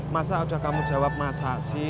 masa sudah kamu jawab masa sih